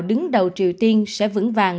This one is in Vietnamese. đứng đầu triều tiên sẽ vững vàng